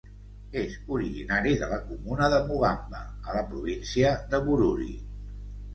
És originari de la comuna de Mugamba a la província de Bururi.